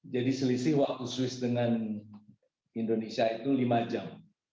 jadi selisih waktu swiss dengan indonesia itu lima jam